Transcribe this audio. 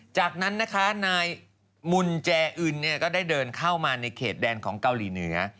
จากนั้นนะคะนายมุนแจอึนก็ได้เดินเข้ามาในเขตแดนของเกาหลีเหนือ